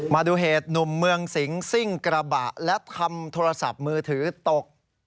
มาดูเหตุหนุ่มเมืองสิงซิ่งกระบะและทำโทรศัพท์มือถือตก